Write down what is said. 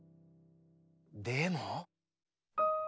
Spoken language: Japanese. でも。